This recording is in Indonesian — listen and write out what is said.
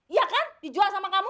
iya kan dijual sama kamu